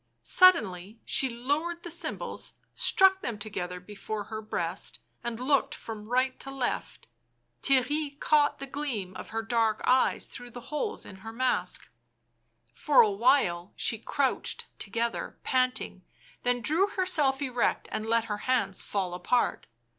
Suddenly she lowered the cymbals, struck them together before her breast, and looked from right to left. Theirry caught the gleam of her dark eyes through the holes in her mask. For a while she crouched together, panting, then drew herself erect, and let her hands fall apart.